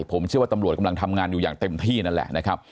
ผมเชื่อว่าตำรวจกำลังทำงานอยู่อย่างเต็มที่นั่นแหละนะครับ